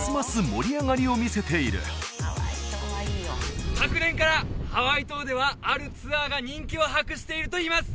盛り上がりを見せている昨年からハワイ島ではあるツアーが人気を博しているといいます